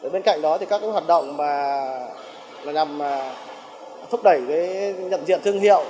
bên cạnh đó các hoạt động nhằm phúc đẩy nhận diện thương hiệu